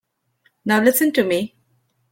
Now listen to me.